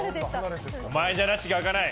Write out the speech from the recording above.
お前じゃ、らちが明かない！